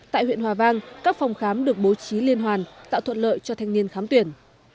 tại huyện hòa vang các phòng khám được bố trí liên hoàn tạo thuận lợi cho thanh niên khám tuyển